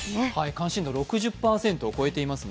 関心度６０％を超えています。